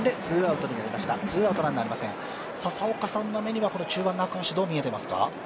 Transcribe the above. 佐々岡さんの目には中盤の赤星は、どう見えていますか？